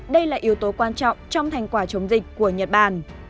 đây là yếu tố quan trọng trong thành quả chống dịch của nhật bản